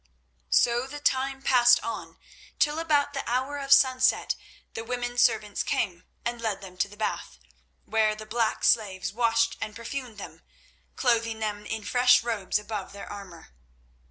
So the time passed on, till about the hour of sunset the women servants came and led them to the bath, where the black slaves washed and perfumed them, clothing them in fresh robes above their armour.